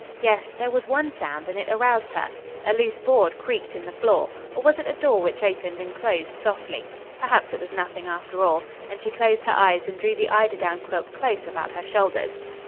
Yes; there was one sound and it aroused her. A loose board creaked in the floor, or was it a door which opened and closed softly? Perhaps it was nothing after all. And she closed her eyes and drew the eiderdown quilt close about her shoulders.